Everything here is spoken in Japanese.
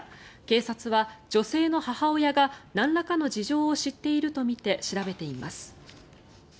警察は女性の母親がなんらかの事情を知っているとみて調べています。